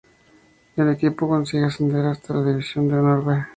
El equipo consigue ascender hasta la División de Honor "B".